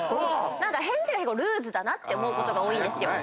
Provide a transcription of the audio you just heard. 何か返事がルーズだなって思うことが多いんですよ。